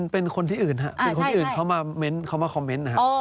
เป็นคนที่อื่นครับเป็นคนอื่นเขามาเม้นเขามาคอมเมนต์นะครับ